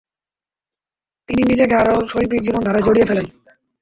তিনি নিজেকে আরো শৈল্পিক জীবনধারায় জড়িয়ে ফেলেন।